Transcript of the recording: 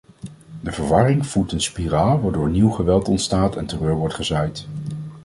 De verwarring voedt een spiraal waardoor nieuw geweld ontstaat en terreur wordt gezaaid.